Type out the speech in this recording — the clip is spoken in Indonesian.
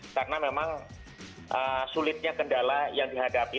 karena memang sulitnya kendala yang dihadapi